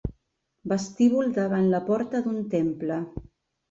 Vestíbul davant la porta d'un temple.